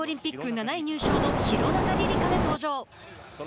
７位入賞の廣中璃梨佳が登場。